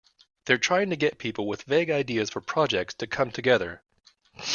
They're trying to get people with vague ideas for projects to come together.